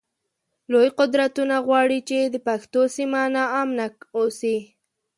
لوی قدرتونه غواړی چی د پښتنو سیمه ناامنه اوسی